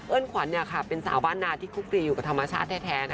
ขวัญเป็นสาวบ้านนาที่คุกคลีอยู่กับธรรมชาติแท้